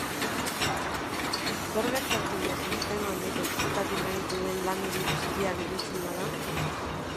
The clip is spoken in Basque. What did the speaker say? Zer gertatzen da sistema honek ezkutatu nahi duen lan hori guztia gelditzen bada?